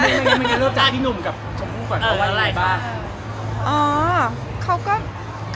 นี้แล้วก็แค่เลือดทางพี่หนุ่มกับชมครูก่อน